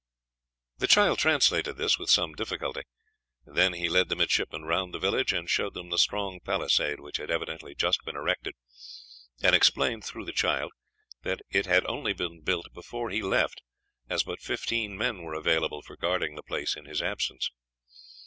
The child translated this with some difficulty. Then he led the midshipmen round the village, and showed them the strong palisade which had evidently just been erected, and explained, through the child, that it had only been built before he left, as but fifteen men were available for guarding the place in his absence.